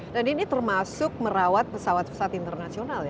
dan ini termasuk merawat pesawat pesawat internasional ya